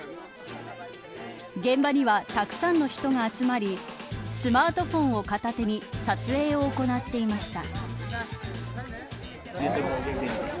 現場には、たくさんの人が集まりスマートフォンを片手に撮影を行っていました。